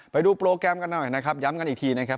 ไปดูโปรแกรมกันหน่อยนะครับย้ำกันอีกทีนะครับ